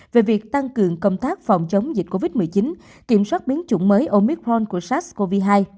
về việc tăng cường công tác phòng chống dịch covid một mươi chín kiểm soát biến chủng mới ôn biết khoan của sars cov hai